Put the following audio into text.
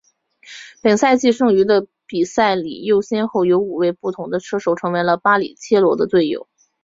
本赛季剩余的比赛里又先后有五位不同的车手成为了巴里切罗的队友。